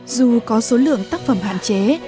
dù có số lượng tác phẩm hạn chế